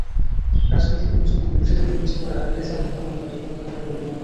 রাজনৈতিক বিবেচনায় মোর্শেদের বিরুদ্ধে করা রেজা হত্যা মামলাটি প্রত্যাহার করে নেওয়া হয়।